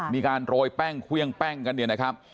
มีการโรยแป้งเควียงแป้งกัน